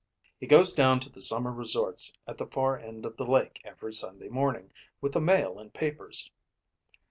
"He goes down to the summer resorts at the far end of the lake every Sunday morning with the mail and papers."